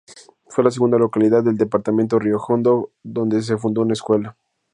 Fue la segunda localidad del departamento Río Hondo donde se fundó una escuela.